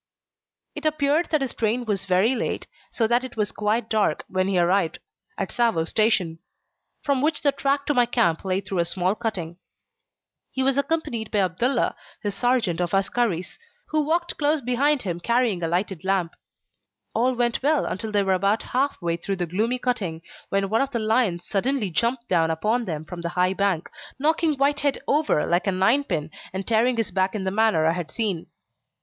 It appeared that his train was very late, so that it was quite dark when he arrived at Tsavo Station, from which the track to my camp lay through a small cutting. He was accompanied by Abdullah, his sergeant of askaris, who walked close behind him carrying a lighted lamp. All went well until they were about half way through the gloomy cutting, when one of the lions suddenly jumped down upon them from the high bank, knocking Whitehead over like a ninepin, and tearing his back in the manner I had seen.